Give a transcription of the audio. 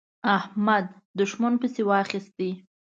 احمد؛ دوښمن پسې واخيست.